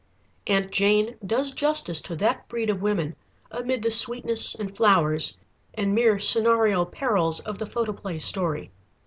Aunt Jane does justice to that breed of women amid the sweetness and flowers and mere scenario perils of the photoplay story.